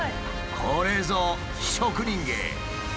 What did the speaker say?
これぞ職人芸！